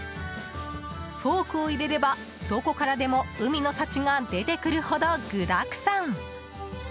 フォークを入れればどこからでも海の幸が出てくるほど具だくさん。